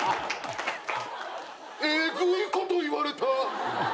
えぐいこと言われた。